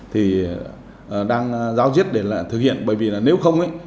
thì đang giao diếp để là thực hiện bởi vì là nếu không ấy